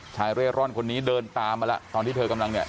เร่ร่อนคนนี้เดินตามมาแล้วตอนที่เธอกำลังเนี่ย